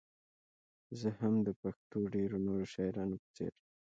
زه هم د پښتو ډېرو نورو شاعرانو په څېر.